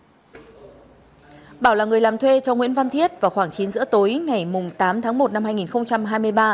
bảo là người làm thuê cho nguyễn văn thiết vào khoảng chín giữa tối ngày tám tháng một năm hai nghìn hai mươi ba